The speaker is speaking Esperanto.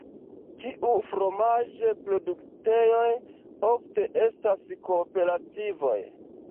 Tiuj fromaĝ-produktejoj, ofte estas kooperativoj.